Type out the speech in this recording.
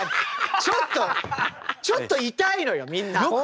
ちょっとちょっとイタいのよみんな。